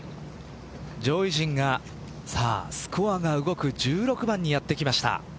上位陣がスコアが動く１６番にやって来ました。